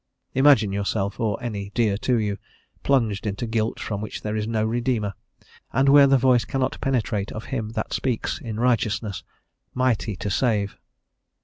Imagine yourself, or any dear to you, plunged into guilt from which there is no redeemer, and where the voice cannot penetrate of him that speaks in righteousness, mighty to save.